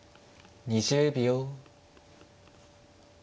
２０秒。